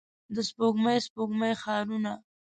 د سپوږمۍ، سپوږمۍ ښارونو